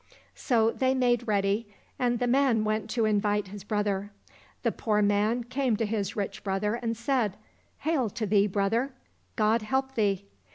So they made ready, and the man went to invite his brother. The poor man came to his rich brother and said, " Hail to thee, brother ; God help thee